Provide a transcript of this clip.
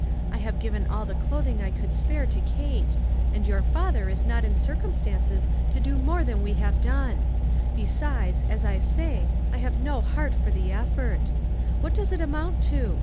I have given all the clothing I could spare to Kate ; and your father is not in circumstances to do more than we have done ; besides, as I say, I have no heart for the effort. What does it amount to?